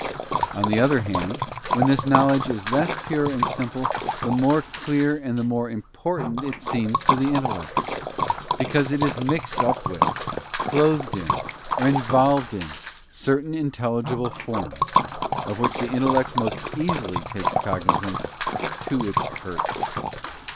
On the other hand, when this knowledge is less pure and simple the more clear and the more important it seems to the intellect; because it is mixed up with, clothed 'in, or involy_d in, certain intelligible forms, of which the in tellect most easily takes cognisance, to its hurt.